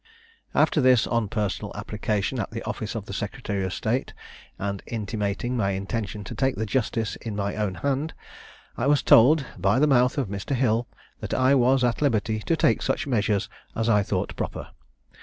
"After this, on personal application at the office of the secretary of state, and intimating my intention to take justice in my own hand, I was told, by the mouth of Mr. Hill, that I was at liberty to take such measures as I thought proper.